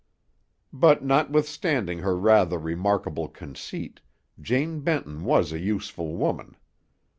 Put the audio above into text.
But notwithstanding her rather remarkable conceit, Jane Benton was a useful woman.